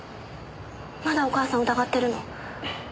まだお母さんを疑ってるの？